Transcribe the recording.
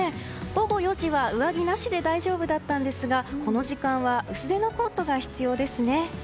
午後４時は上着なしで大丈夫だったんですがこの時間は薄手のコートが必要ですね。